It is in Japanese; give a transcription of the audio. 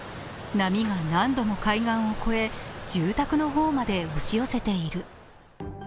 波が何度も海岸を越え住宅の方まで押し寄せている。